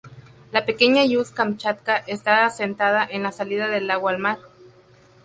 La pequeña Ust-Kamchatka está asentada en la salida del lago al mar.